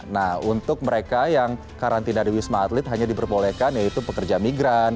nah untuk mereka yang karantina di wisma atlet hanya diperbolehkan yaitu pekerja migran